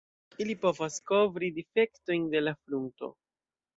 Ili povas kovri difektojn de la frunto.